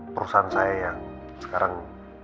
perusahaan saya yang sekarang